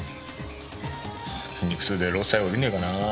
筋肉痛で労災おりねえかなぁ。